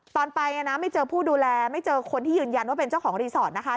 ตอนไปไม่เจอผู้ดูแลไม่เจอคนที่ยืนยันว่าเป็นเจ้าของรีสอร์ทนะคะ